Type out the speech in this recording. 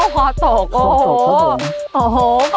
พอตกโอ้โห